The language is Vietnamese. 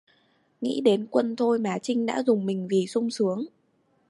Nghĩ đến quân thôi mà trinh đã rùng mình vì sung sướng